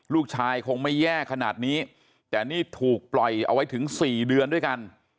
ลูกชายคงไม่แย่ขนาดนี้แต่นี่ถูกปล่อยเอาไว้ถึง๔เดือนด้วยกัน